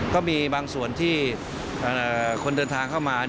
ก็มีบางส่วนที่คนเดินทางเข้ามา